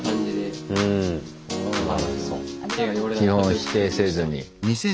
基本否定せずに。